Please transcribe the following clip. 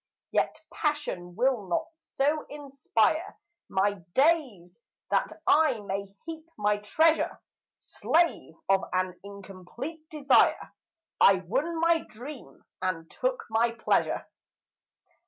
Yet passion will not so inspire My days that I may heap my treasure ; Slave of an incomplete desire, I won my dream and took my pleasure.